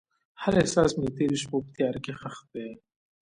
هر احساس مې د تیرو شپو په تیاره کې ښخ دی.